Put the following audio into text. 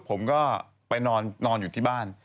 ผมก็ไปนอนอยู่ที่บ้าน